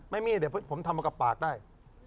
ไม่มีเดี๋ยวผมทำมากับปากได้